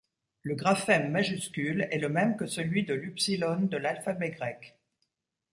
Le graphème majuscule est le même que celui de l'upsilon de l'alphabet grec.